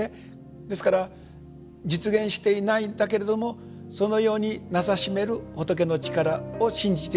ですから実現していないんだけれどもそのようになさしめる仏の力を信じていることは確かだったと。